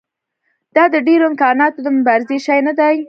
دا د ډېرو امکاناتو د مبارزې شی نه دی.